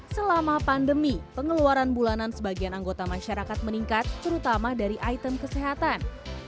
selama pandemi pengeluaran bulanan sebagian anggota masyarakat meningkat terutama dari item kesehatan